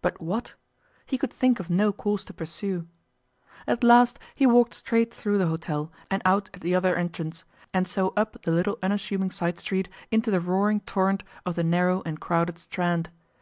But what? He could think of no course to pursue. At last he walked straight through the hotel and out at the other entrance, and so up the little unassuming side street into the roaring torrent of the narrow and crowded Strand.